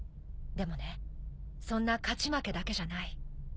でもねそんな勝ち負けだけじゃない。